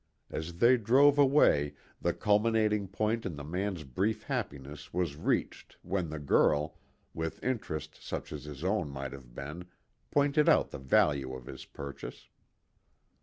As they drove away the culminating point in the man's brief happiness was reached when the girl, with interest such as his own might have been, pointed out the value of his purchase.